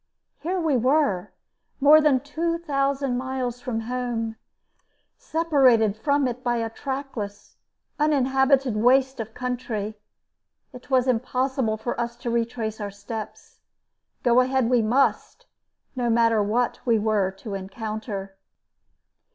Here we were, more than two thousand miles from home, separated from it by a trackless, uninhabited waste of country. It was impossible for us to retrace our steps. Go ahead we must, no matter what we were to encounter.